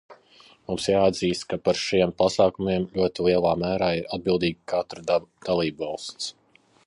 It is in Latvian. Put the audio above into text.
Mums jāatzīst, ka par šiem pasākumiem ļoti lielā mērā ir atbildīga katra dalībvalsts.